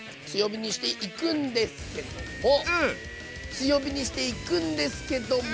強火にしていくんですけども。